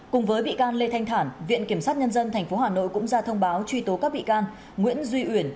cùng với bị can lê thanh thản viện kiểm sát nhân dân tp hà nội cũng ra thông báo truy tố các bị can nguyễn duy uyển